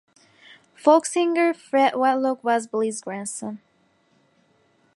Folk singer Fred Wedlock was Billy's grandson.